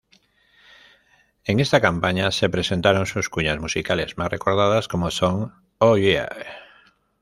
En esta campaña se presentaron sus cuñas musicales más recordadas como son: "Oye!